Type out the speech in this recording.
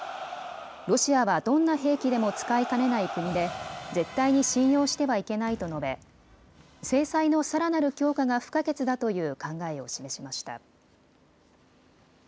ロシアはどんな兵器でも使いかねない国で絶対に信用してはいけないと述べ、制裁のさらなる強化が不可欠だという考えを示しました。